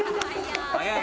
「早い！」